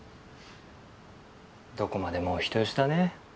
どこまでもお人よしだね。